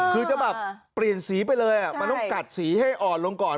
คือจะแบบเปลี่ยนสีไปเลยมันต้องกัดสีให้อ่อนลงก่อน